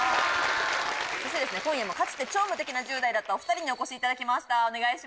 今夜もかつて超無敵な１０代だったお２人にお越しいただきました。